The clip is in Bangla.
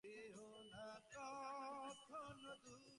শরীরের সংস্কার যে শরীরে থাকিতে পারে, তাহা আমরা বুঝি।